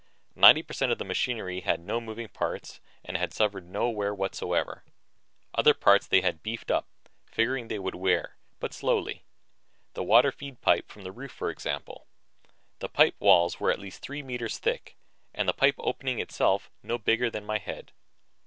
Ninety per cent of the machinery had no moving parts and had suffered no wear whatever. Other parts they had beefed up, figuring they would wear, but slowly. The water feed pipe from the roof, for example. The pipe walls were at least three meters thick and the pipe opening itself no bigger than my head.